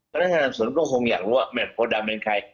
การรับสนุกผมอยากรู้ว่าแหม่มโพดำเป็นใคร